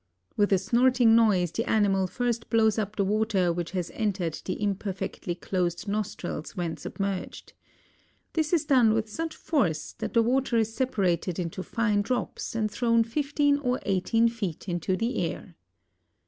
With a snorting noise the animal first blows up the water which has entered the imperfectly closed nostrils when submerged. This is done with such force that the water is separated into fine drops and thrown fifteen or eighteen feet into the air.